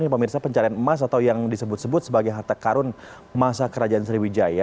pemirsa pencarian emas atau yang disebut sebut sebagai harta karun masa kerajaan sriwijaya